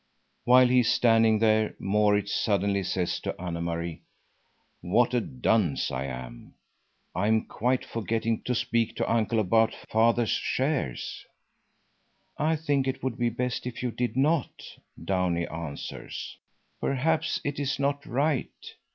While he is standing there Maurits suddenly says to Anne Marie: "What a dunce I am! I am quite forgetting to speak to Uncle about father's shares." "I think it would be best if you did not," Downie answers. "Perhaps it is not right."